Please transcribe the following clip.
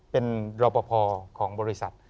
เป็นรอปภของบริษัท